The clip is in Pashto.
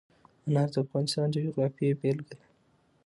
انار د افغانستان د جغرافیې بېلګه ده.